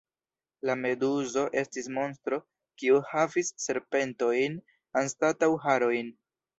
La Meduzo estis monstro, kiu havis serpentojn anstataŭ harojn.